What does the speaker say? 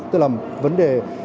tức là vấn đề